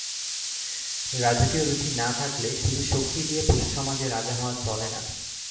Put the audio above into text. রাজকীয় রুচি না থাকলে শুধু শক্তি দিয়ে পশুসমাজে রাজা হওয়া চলে না।